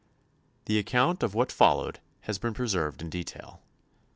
The account of what followed has been preserved in detail.